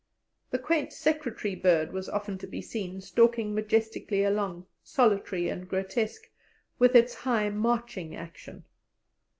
The quaint secretary bird was often to be seen stalking majestically along, solitary and grotesque, with its high marching action.